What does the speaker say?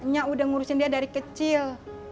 nya udah ngurusin dia dari kecil